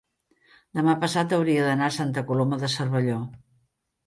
demà passat hauria d'anar a Santa Coloma de Cervelló.